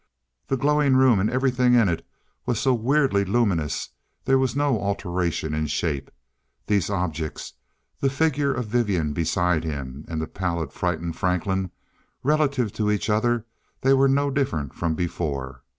The glowing room and everything in it was so weirdly luminous, there was no alteration in shape. These objects, the figure of Vivian beside him, and the pallid frightened Franklin, relative to each other they were no different from before.